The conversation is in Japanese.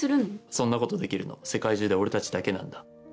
そんなことできるの世界中で俺たちだけなんだ。